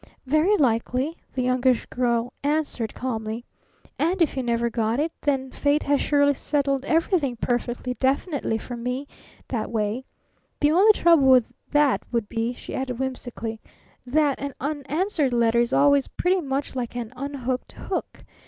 "Very likely," the Youngish Girl answered calmly. "And if he never got it, then Fate has surely settled everything perfectly definitely for me that way. The only trouble with that would be," she added whimsically, "that an unanswered letter is always pretty much like an unhooked hook.